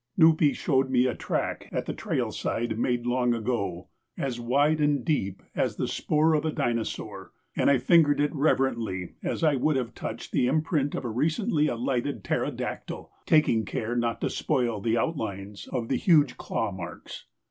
Nupee showed me a track at the trail side made long ago, as wide and deep as the spoor of a dinosaur, and I fingered it reverently as I would have touched the imprint of a recently alighted pterodactyl, taking care not to spoil the outlines of the huge claw marks.